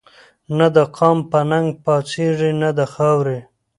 نه دقام په ننګ پا څيږي نه دخاوري